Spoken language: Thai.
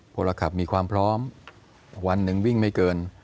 พลขับมีความพร้อมวันหนึ่งวิ่งไม่เกิน